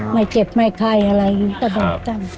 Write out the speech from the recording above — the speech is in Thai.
ไม่เจ็บไม่ไข้อะไรอยู่กัน